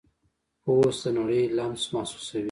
پوست د نړۍ لمس محسوسوي.